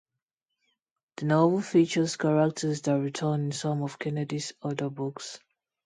The novel features characters that return in some of Kennedy's other books.